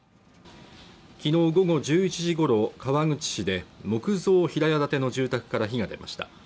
昨日午後１１時ごろ川口市で木造平屋建ての住宅から火が出ました